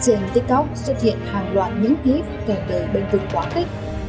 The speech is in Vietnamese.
trên tiktok xuất hiện hàng loạt những clip kể đời bênh vực quá khích